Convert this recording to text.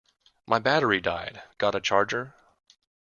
My battery died, got a charger?